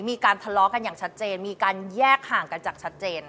มีการทะเลาะกันอย่างชัดเจนมีการแยกห่างกันจากชัดเจน